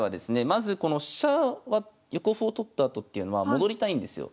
まずこの飛車は横歩を取ったあとっていうのは戻りたいんですよ。